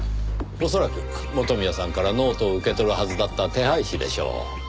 恐らく元宮さんからノートを受け取るはずだった手配師でしょう。